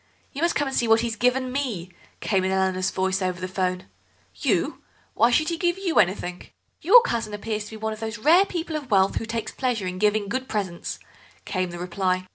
.." "You must come and see what he's given me," came in Eleanor's voice over the 'phone. "You! Why should he give you anything?" "Your cousin appears to be one of those rare people of wealth who take a pleasure in giving good presents," came the reply.